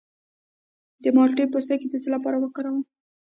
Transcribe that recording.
د مالټې پوستکی د څه لپاره وکاروم؟